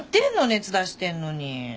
熱出してんのに。